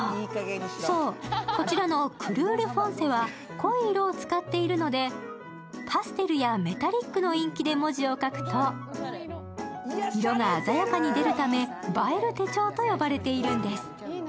そう、こちらのクルーフォンセは濃い色を使っているのでパステルやメタリックのインクで文字を書くと、色が鮮やかに出るため映える手帳と言われているんです。